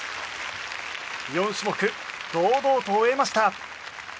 ４種目堂々と終えました。